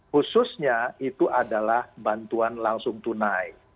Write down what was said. khususnya itu adalah bantuan langsung tunai